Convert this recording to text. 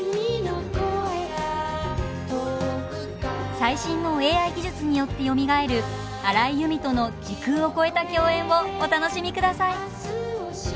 最新のＡＩ技術によってよみがえる荒井由実との時空を超えた共演をお楽しみください。